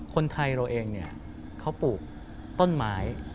คนไทยเราเองเขาปลูกต้นไม้